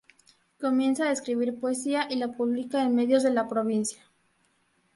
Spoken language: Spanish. Comienza a escribir poesía y la publica en medios de la provincia.